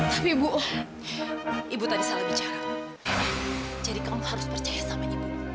tapi ibu ibu tadi salah bicara jadi kamu harus percaya sama ibu